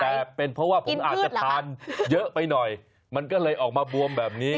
แต่เป็นเพราะว่าผมอาจจะทานเยอะไปหน่อยมันก็เลยออกมาบวมแบบนี้